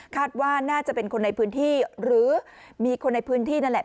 ว่าน่าจะเป็นคนในพื้นที่หรือมีคนในพื้นที่นั่นแหละ